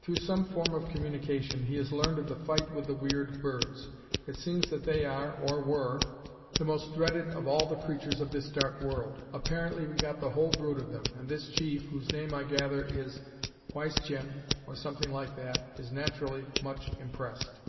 "Through some form of communication, he has learned of the fight with the weird birds; it seems that they are or were the most dreaded of all the creatures of this dark world. Apparently we got the whole brood of them, and this chief, whose name, I gather, is Wieschien, or something like that, is naturally much impressed.